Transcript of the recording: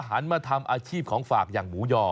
หันมาทำอาชีพของฝากอย่างหมูยอ